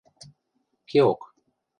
Кеок...